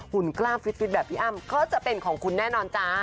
กล้ามฟิตแบบพี่อ้ำก็จะเป็นของคุณแน่นอนจ้า